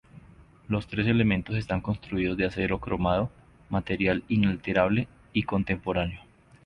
Los tres elementos están construidos de acero cromado, material inalterable y contemporáneo.